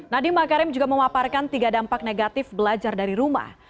nadiem makarim juga memaparkan tiga dampak negatif belajar dari rumah